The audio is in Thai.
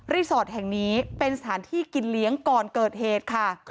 สอดแห่งนี้เป็นสถานที่กินเลี้ยงก่อนเกิดเหตุค่ะ